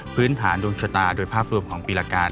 พื้นฐานดวงชะตาโดยภาพรวมของปีละการ